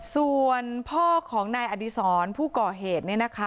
ส่วนพ่อของนายอดีศรผู้ก่อเหตุเนี่ยนะคะ